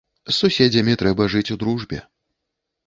З суседзямі трэба жыць у дружбе.